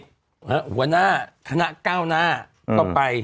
หัวหน้าคณะก้าวหน้าก็ไป